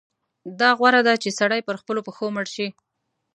دا غوره ده چې سړی پر خپلو پښو مړ شي.